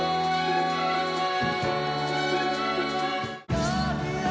ああ。